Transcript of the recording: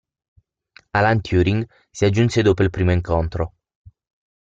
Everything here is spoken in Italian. Alan Turing si aggiunse dopo il primo incontro.